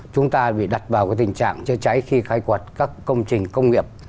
chúng ta bị đặt vào tình trạng chữa cháy khi khai quật các công trình công nghiệp